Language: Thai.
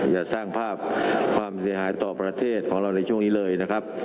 อย่าสร้างภาพความเสียหายต่อประเทศของเราในช่วงนี้เลยนะครับ